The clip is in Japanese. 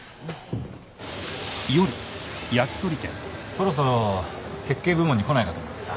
そろそろ設計部門に来ないかと思ってさ。